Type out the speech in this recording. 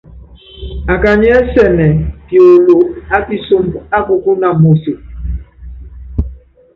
Akanyiɛ́ ɛsɛ́nɛ piolo ákisúmbɔ́ ákukúna moso.